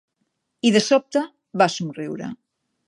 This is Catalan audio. I, de sobte, va somriure.